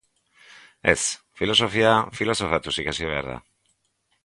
Ez, Filosofia filosofatuz ikasi behar da.